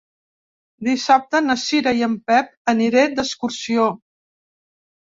Dissabte na Cira i en Pep aniré d'excursió.